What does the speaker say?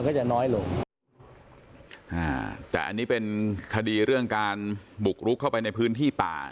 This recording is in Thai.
ก็จะน้อยลงอ่าแต่อันนี้เป็นคดีเรื่องการบุกรุกเข้าไปในพื้นที่ป่า